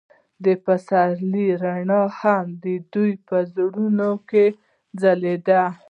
د پسرلی رڼا هم د دوی په زړونو کې ځلېده.